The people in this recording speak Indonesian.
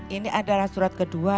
ini adalah surat kedua